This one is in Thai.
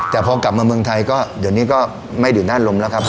แต่พอกลับมาเมืองไทยก็เดี๋ยวนี้ก็ไม่ดื่มด้านลมแล้วครับ